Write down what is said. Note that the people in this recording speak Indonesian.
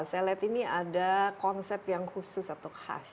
saya lihat ini ada konsep yang khusus atau khas